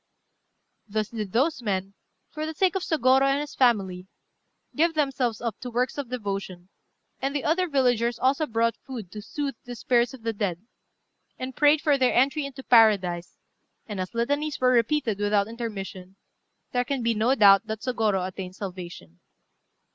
Thus did those men, for the sake of Sôgorô and his family, give themselves up to works of devotion; and the other villagers also brought food to soothe the spirits of the dead, and prayed for their entry into paradise; and as litanies were repeated without intermission, there can be no doubt that Sôgorô attained salvation.